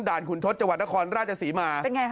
ด่านขุนทศจนครราชศรีมา